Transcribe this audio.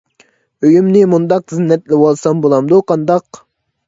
ئۆيۈمنى مۇنداق زىننەتلىۋالسام بولامدۇ قانداق؟